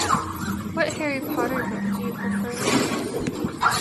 What Harry Potter book do you prefer the most?